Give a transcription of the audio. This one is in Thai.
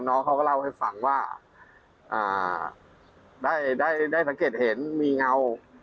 น้องเขาก็เล่าให้ฟังว่าได้ได้สังเกตเห็นมีเงา